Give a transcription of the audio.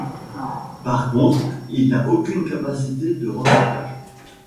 Par contre il n'a aucune capacité de remorquage.